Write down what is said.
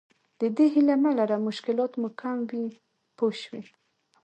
د دې هیله مه لره مشکلات مو کم وي پوه شوې!.